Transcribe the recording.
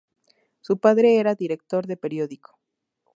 Su padre era director de periódico.